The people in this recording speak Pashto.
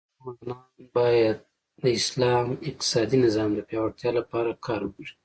مسلمانان باید د اسلام اقتصادې نظام د پیاوړتیا لپاره کار وکړي.